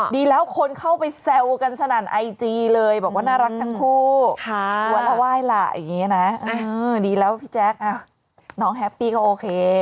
ดีแล้วว่าพี่แจ๊ก